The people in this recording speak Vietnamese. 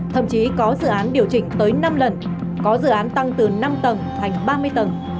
thậm chí có dự án điều chỉnh tới năm lần có dự án tăng từ năm tầng thành ba mươi tầng